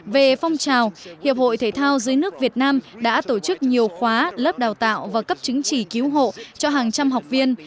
về phong trào hiệp hội thể thao dưới nước việt nam đã tổ chức nhiều khóa lớp đào tạo và cấp chứng chỉ cứu hộ cho hàng trăm học viên